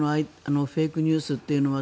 フェイクニュースっていうのは。